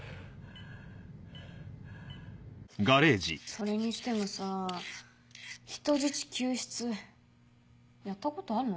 それにしてもさ人質救出やったことあんの？